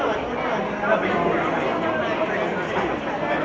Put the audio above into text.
อันดับสุดของเมืองอ